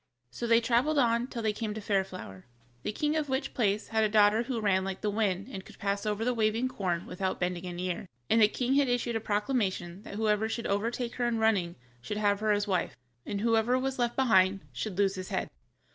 So they traveled on till they came to Fairflower, the king of which place had a daughter who ran like the wind and could pass over the waving corn without bending an ear, and the king had issued a proclamation that whoever should overtake her in running should have her to wife, but whoever was left behind should lose his head.